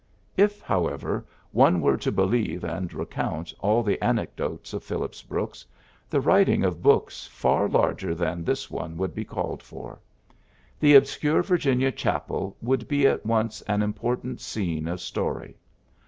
If, however, one were to believe and recount all the anecdotes of Phillips Brooks, the writing of books far larger than this one would be called for. The obscure Virginia chapel would be at once an important scene of story.